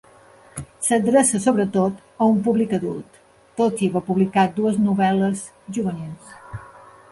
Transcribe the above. S'adreça sobretot a un públic adult, tot i haver publicat dues novel·les juvenils.